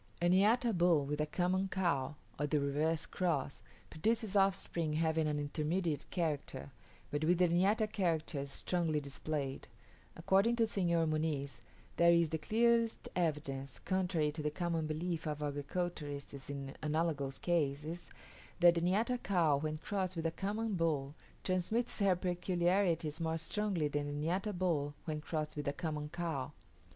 A niata bull with a common cow, or the reverse cross, produces offspring having an intermediate character, but with the niata characters strongly displayed: according to Senor Muniz, there is the clearest evidence, contrary to the common belief of agriculturists in analogous cases, that the niata cow when crossed with a common bull transmits her peculiarities more strongly than the niata bull when crossed with a common cow.